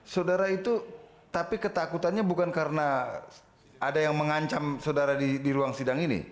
saudara itu tapi ketakutannya bukan karena ada yang mengancam saudara di ruang sidang ini